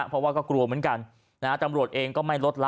เพราะว่าก็กลัวเหมือนกันนะฮะตำรวจเองก็ไม่ลดละ